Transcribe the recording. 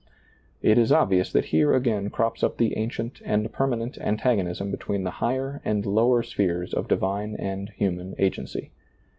It is obvious that here c^ain crops up the ancient and permanent antagonism between the higher and lower spheres of divine and human agency.